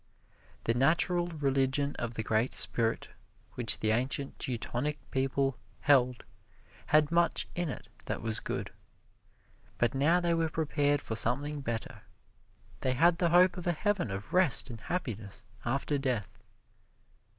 The natural religion of the Great Spirit which the ancient Teutonic people held had much in it that was good, but now they were prepared for something better they had the hope of a heaven of rest and happiness after death.